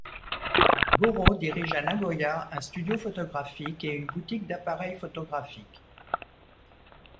Goro dirige à Nagoya un studio photographique et une boutique d'appareils photographiques.